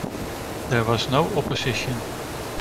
There was no opposition.